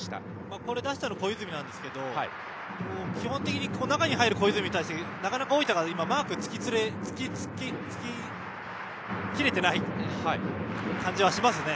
今、出したの小泉ですが基本的に中に入る小泉に大分がなかなかマークがつききれていない感じはしますね。